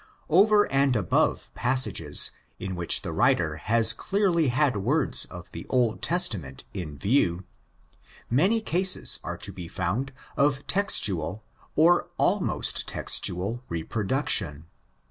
Over and above passages in which the writer has clearly had words of the Old Testament in view, many cases are to be found of textual or almost textual reproduction.!